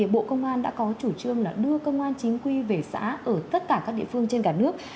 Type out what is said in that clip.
bộ công an đã có chủ trương đưa công an chính quy về xã ở tất cả các địa phương trên cả nước